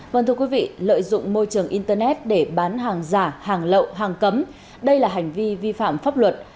vâng thưa quý vị lợi dụng môi trường internet để bán hàng giả hàng lậu hàng cấm đây là hành vi vi phạm pháp luật